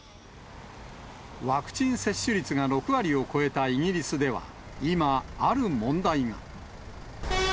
ワクチン接種率が６割を超えたイギリスでは、今、ある問題が。